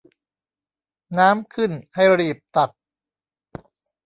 น้ำขึ้นให้รีบตัก